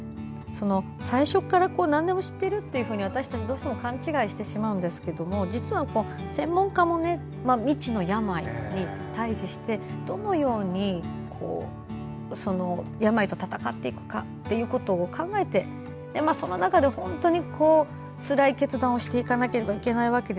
最初からなんでも知っているっていうふうに私たちどうしても勘違いしてしまうんですが実は、専門家も未知の病に対峙してどのように病と闘っていくかということを考えてその中で本当につらい決断をしていかなければいけないわけで。